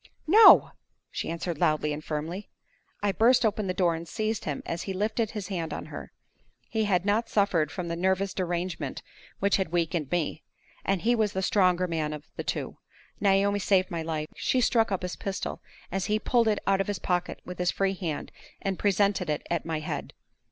"No!" she answered, loudly and firmly. I burst open the door, and seized him as he lifted his hand on her. He had not suffered from the nervous derangement which had weakened me, and he was the stronger man of the two. Naomi saved my life. She struck up his pistol as he pulled it out of his pocket with his free hand and presented it at my head.